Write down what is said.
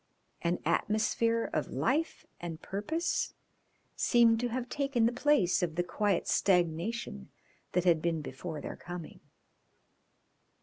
An atmosphere of life and purpose seemed to have taken the place of the quiet stagnation that had been before their coming.